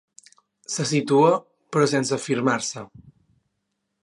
Se situa, però sense afirmar-se.